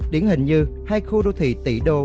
điển hình như hai khu đô thị tỷ đô